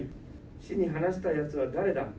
市に話したやつは誰だ。